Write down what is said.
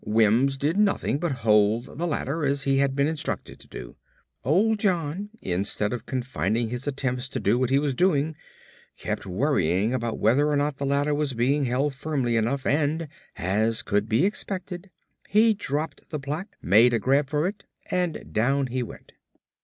Wims did nothing but hold the ladder as he had been instructed to do. Old John, instead of confining his attention to what he was doing, kept worrying about whether or not the ladder was being held firmly enough and, as could be expected, he dropped the plaque, made a grab for it and down he went."